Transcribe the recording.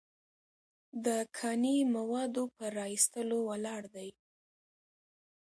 د کاني موادو په را ایستلو ولاړ دی.